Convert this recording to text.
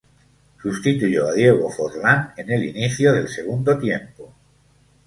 Sustituyó a Diego Forlán en el inicio del segundo tiempo.